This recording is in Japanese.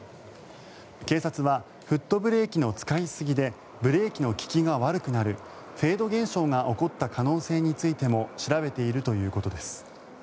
警察はフットブレーキの使いすぎでブレーキの利きが悪くなるフェード現象が起こった可能性についても調べているということです。